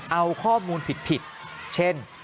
เอาข้อมูลผิดเช่น